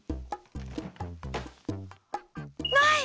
ない！